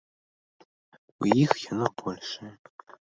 У іх яно большае.